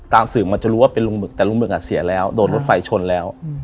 สื่อมันจะรู้ว่าเป็นลุงบึกแต่ลุงบึกเสียแล้วโดนรถไฟชนแล้ว